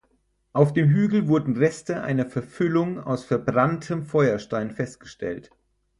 Auf dem Hügel wurden Reste einer Verfüllung aus verbranntem Feuerstein festgestellt.